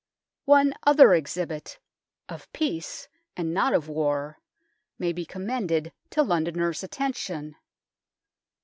One other exhibit, of peace and not of war, may be commended to Londoners' atten tion.